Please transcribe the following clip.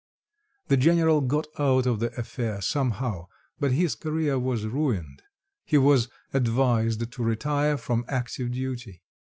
The general got out of the affair somehow, but his career was ruined; he was advised to retire from active duty.